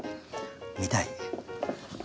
見たい？